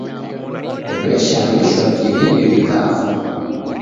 W'eshamishwa kiw'iw'i w'ikafwa.